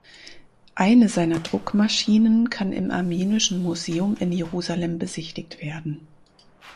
Eine seiner Druckmaschinen kann im armenischen Museum in Jerusalem besichtigt werden.